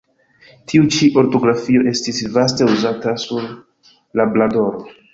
Tiu ĉi ortografio estis vaste uzata sur Labradoro.